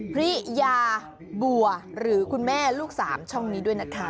พิยาบัวหรือคุณแม่ลูกสามช่องนี้ด้วยนะคะ